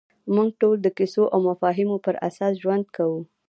موږ ټول د کیسو او مفاهیمو پر اساس ژوند کوو.